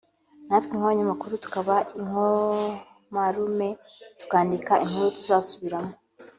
natwe nk’abanyamakuru tukaba inkomarume tukandika inkuru tuzasubiramo